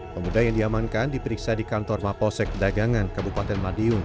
pemuda yang diamankan diperiksa di kantor mapolsek dagangan kabupaten madiun